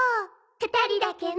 ２人だけの。